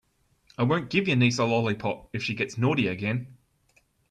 I won't give your niece a lollipop if she gets naughty again.